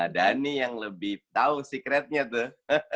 dhani yang lebih tahu secretnya tuh